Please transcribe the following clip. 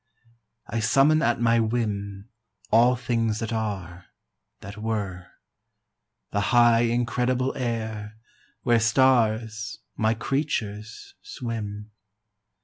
I summon at my whim All things that are, that were: The high incredible air, Where stars my creatures swim.